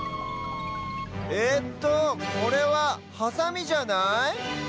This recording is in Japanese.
えっとこれはハサミじゃない？